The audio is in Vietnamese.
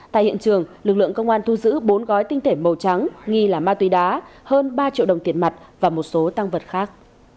tại hiện trường lực lượng công an thu giữ bốn gói tinh thể màu trắng nghi là ma túy đá hơn ba triệu đồng tiền mặt và một số tăng vật khác